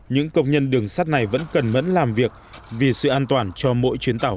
những công nhân đường sắt này vẫn cần mẫn làm việc vì sự an toàn cho mỗi chuyến tàu